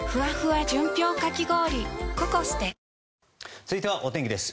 続いてはお天気です。